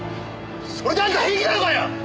それであんた平気なのかよ！？